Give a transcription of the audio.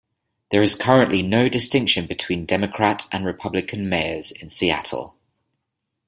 There is currently no distinction between Democrat and Republican mayors in Seattle.